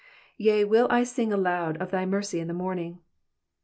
r<w, I will sing aloud of thy mercy in tlie morning.'''